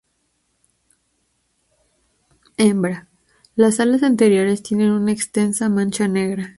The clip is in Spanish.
Hembra: Las alas anteriores tienen una extensa mancha negra.